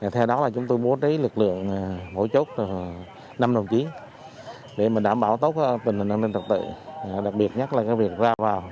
theo đó là chúng tôi bố trí lực lượng mỗi chốt năm đồng chí để đảm bảo tốt tình hình an ninh trật tự đặc biệt nhất là việc ra vào